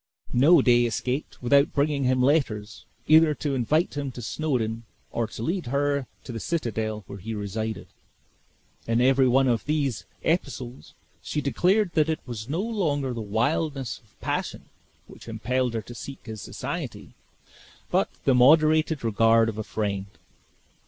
No day escaped without bringing him letters, either to invite him to Snawdoun or to lead her to the citadel, where he resided. In every one of these epistles she declared that it was no longer the wildness of passion which impelled her to seek his society, but the moderated regard of a friend.